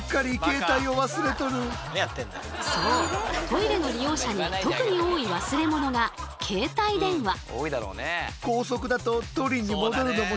トイレの利用者に特に多い忘れ物が携帯電話。